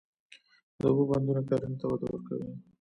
د اوبو بندونه کرنې ته وده ورکوي.